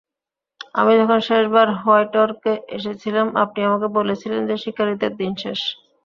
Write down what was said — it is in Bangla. আমি যখন শেষবার হোয়াইটরকে এসেছিলাম, আপনি আমাকে বলেছিলেন যে শিকারীদের দিন শেষ।